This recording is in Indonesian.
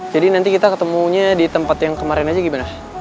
nanti kita ketemunya di tempat yang kemarin aja gimana